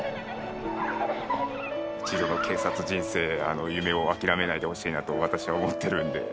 一度の警察人生、夢を諦めないでほしいなと、私は思っているんで。